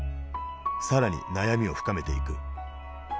更に悩みを深めていく。